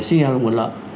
sinh ra là nguồn lợn